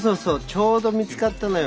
ちょうど見つかったのよ。